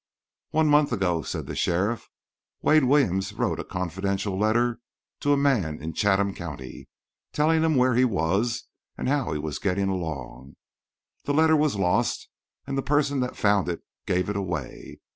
"One, month ago," said the sheriff, "Wade Williams wrote a confidential letter to a man in Chatham county, telling him where he was and how he was getting along. The letter was lost; and the person that found it gave it away.